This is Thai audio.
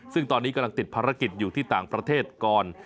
ซึ่งตอนนี้กำลังติดภารกิจอยู่ที่ต่างประเทศก่อน